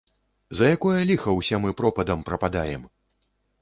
За якое ліха ўсе мы пропадам прападаем?